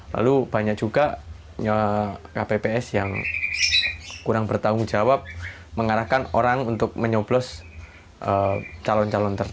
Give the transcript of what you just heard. lalu banyak juga kpps yang kurang bertanggung jawab mengarahkan orang untuk mencoblos